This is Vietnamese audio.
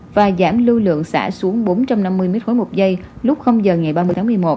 và giảm lưu lượng xả xuống bốn trăm năm mươi m ba một giây lúc giờ ngày ba mươi tháng một mươi một